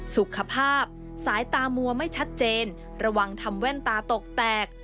สุขภาพสายตามัวไม่ชัดเจนระวังทำแว่นตาตกแตก